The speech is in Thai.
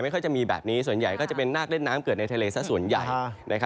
ค่อยจะมีแบบนี้ส่วนใหญ่ก็จะเป็นนาคเล่นน้ำเกิดในทะเลซะส่วนใหญ่